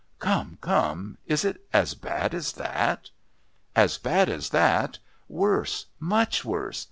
"Come, come! Is it as bad as that?" "As bad as that? Worse! Much worse!